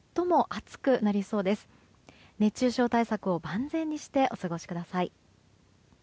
熱中症対策を万全にしてお過ごしください。